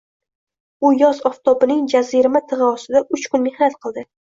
U yoz oftobining jazirama tig`i ostida uch kun mehnat qildi